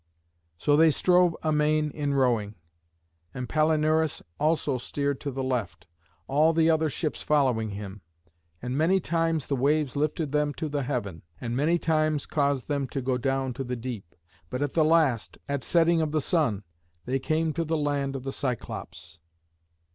So they strove amain in rowing, and Palinurus also steered to the left, all the other ships following him. And many times the waves lifted them to the heaven, and many times caused them to go down to the deep. But at the last, at setting of the sun, they came to the land of the Cyclops.